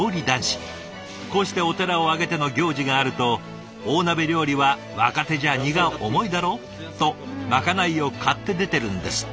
こうしてお寺を挙げての行事があると「大鍋料理は若手じゃ荷が重いだろ？」とまかないを買って出てるんですって。